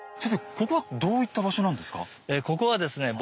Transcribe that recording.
ここはどういった場所なんですか？